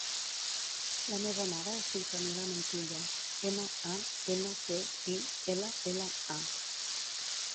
La meva mare es diu Camila Mantilla: ema, a, ena, te, i, ela, ela, a.